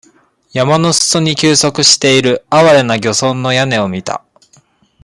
山の裾に休息している、憐れな漁村の屋根を見た。